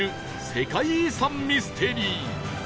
世界遺産ミステリー